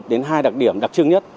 một đến hai đặc điểm đặc trưng nhất